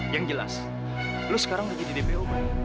yang jelas lo sekarang udah jadi dpo